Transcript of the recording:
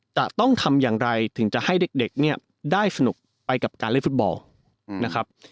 จะต้องทำอย่างไรถึงจะให้เด็กเนี่ยได้สนุกไปกับการเล่นฟุตบอลนะครับ